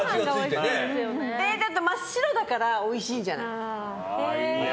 だって、真っ白だからおいしいんじゃない。